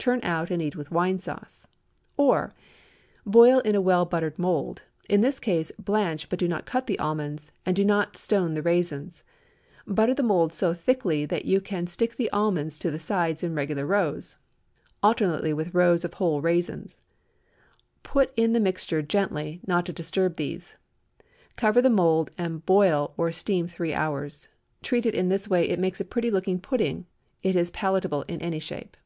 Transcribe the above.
Turn out and eat with wine sauce. Or, Boil in a well buttered mould. In this case, blanch, but do not cut the almonds, and do not stone the raisins. Butter the mould so thickly that you can stick the almonds to the sides in regular rows, alternately with rows of whole raisins. Put in the mixture gently, not to disturb these; cover the mould and boil or steam three hours. Treated in this way, it makes a pretty looking pudding. It is palatable in any shape.